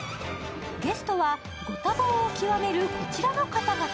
ゲストはご多忙を極める、こちらの方々。